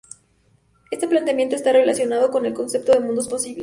Este planteamiento está relacionado con el concepto de "mundos posibles".